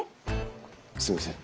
すいません。